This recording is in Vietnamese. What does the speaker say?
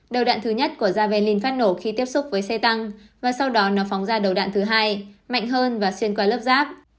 đầu đạn thứ nhất của daven phát nổ khi tiếp xúc với xe tăng và sau đó nó phóng ra đầu đạn thứ hai mạnh hơn và xuyên qua lớp rác